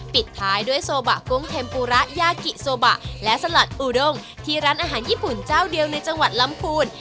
ปิดท้ายด้วยโซบะกุ้งเทมปูระยากิโซบะและสลัดอูด้งที่ร้านอาหารญี่ปุ่นเจ้าเดียวในจังหวัดลำพูน